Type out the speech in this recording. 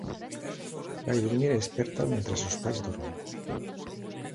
Vai durmir e esperta mentres os pais dormen.